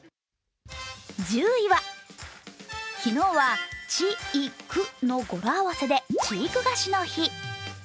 １０位は、昨日は「ちいく」の語呂合わせで知育菓子の日。